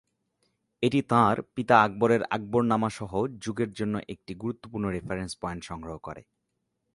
এটি তাঁর পিতা আকবরের "আকবরনামা"সহ যুগের জন্য একটি গুরুত্বপূর্ণ রেফারেন্স পয়েন্ট গঠন করে।